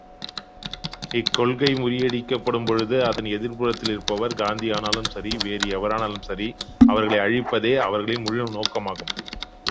இக்கொள்கை முறியடிக்கப்படும் பொழுது அதன் எதிர்புறத்திலிருப்பவர் காந்தியானாலும் சரி, வேறு எவரானாலும் சரி, அவர்களை அழிப்பதே அவர்களின் முழுநோக்கமாகும்.